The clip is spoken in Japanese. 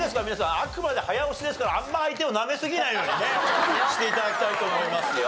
あくまで早押しですからあんまり相手をなめすぎないようにねして頂きたいと思いますよ。